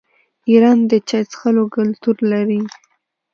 ایران د چای څښلو کلتور لري.